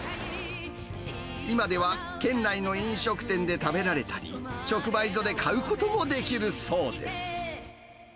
今では、県内の飲食店で食べられたり、直売所で買うこともできるそうです。